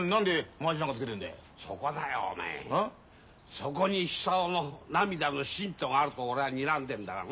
そこに久男の涙のシントがあると俺はにらんでんだがな。